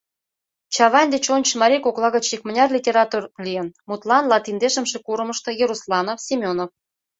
Чавайн деч ончыч марий кокла гыч икмыняр литератор лийын, мутлан, латиндешымше курымышто — Ерусланов, Семенов.